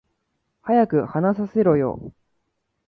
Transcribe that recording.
早く話させろよ